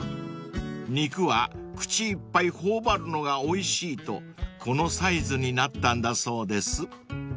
［肉は口いっぱい頬張るのがおいしいとこのサイズになったんだそうです］